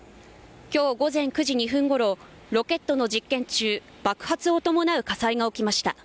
今日午前９時２分ごろロケットの実験中爆発を伴う火災が起きました。